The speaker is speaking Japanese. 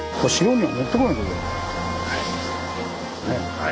はい。